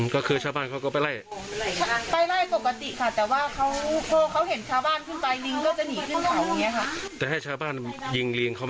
แล้วส่วนมากมีคนขึ้นไปล่าสัตว์ป่าอะไรไหมครับ